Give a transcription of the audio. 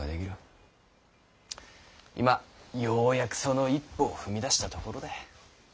今ようやくその一歩を踏み出したところだ。